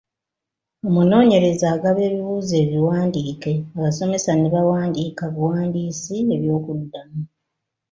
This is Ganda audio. "Omunoonyereza agaba ebibuuzo ebiwandiike, abasomesa ne bawandiika buwandiisi eby’okuddamu."